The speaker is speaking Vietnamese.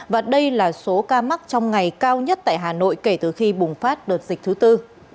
và đây là số ca mắc trong ngày cao nhất tại hà nội kể từ khi bùng phát đợt dịch thứ tư